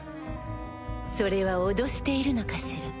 それは脅しているのかしら？